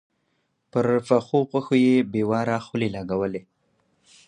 پر پخو غوښو يې بې واره خولې لګولې.